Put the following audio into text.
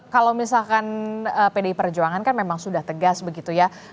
kalau misalkan pdi perjuangan kan memang sudah tegas begitu ya